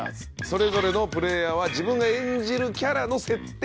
それぞれのプレイヤーは自分が演じるキャラの設定